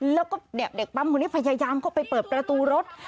แล้วก็เด็กปั๊มคนนี้พยายามเข้าไปเปิดประตูรถ